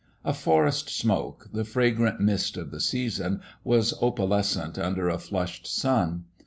A forest smoke, the fragrant mist of the season, was opalescent under a flushed sun.